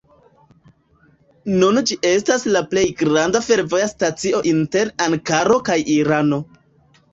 Nun ĝi estas la plej granda fervoja stacio inter Ankaro kaj Irano.